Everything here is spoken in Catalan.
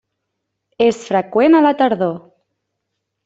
És freqüent a la tardor.